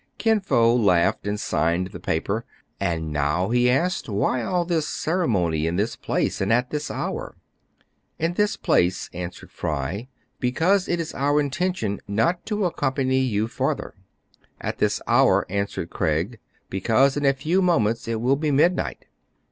Kin Fo laughed, and signed the paper. "And now," he asked, "why all this ceremony in this place, and at this hour ?" "In this place," answered Fry, "because it is our intention not to accompany you farther." " At this hour," added Craig, " because in a few moments it will be midnight."